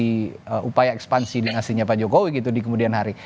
menjadi upaya ekspansi dan aslinya pak jokowi gitu di kemudian hari